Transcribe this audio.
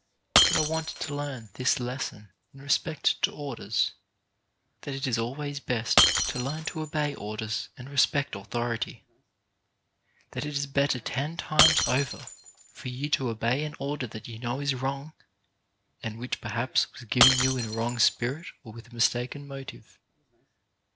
But I want you to learn this lesson in respect to orders — that it is always best to learn to obey orders and respect authority — that it is better ten times over for you to obey an order that you know is wrong, and which per haps was given you in a wrong spirit or with a mistaken motive.